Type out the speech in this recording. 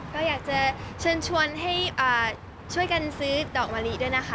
ก็อยากจะเชิญชวนให้ช่วยกันซื้อดอกมะลิด้วยนะคะ